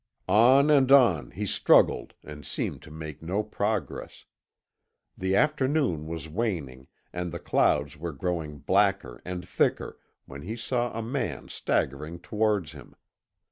On and on he struggled and seemed to make no progress. The afternoon was waning, and the clouds were growing blacker and thicker, when he saw a man staggering towards him.